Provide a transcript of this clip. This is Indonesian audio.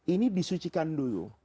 ini disucikan dulu